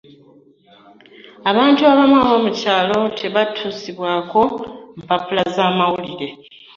Abantu abamu abomukyalo tebatuusibwako mpapula z'amawulire.